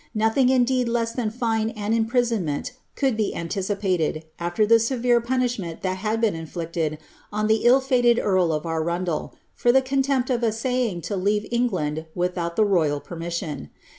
Koihing indeed less than fine and imprisonmcnl could be anticipaicd, after the severe punishment thai had been indicted on the ill fated earl of Arundel, for the contempt of essayftig lo leave England tviihoul the royal permission.